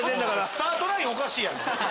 スタートラインおかしいやろ！